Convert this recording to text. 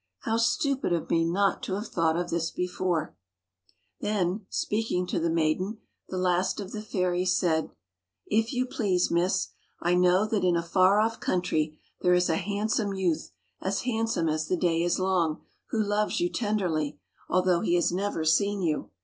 How stupid of me not to have thought of this before !" Then, speaking to the maiden, the last of the fairies said :" If you please, Miss, I know that in a far off country there is a handsome youth, as handsome as the day is long, who loves you tenderly, although he has never seen you.